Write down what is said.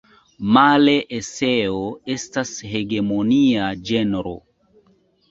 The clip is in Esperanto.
Male eseo estas hegemonia ĝenro.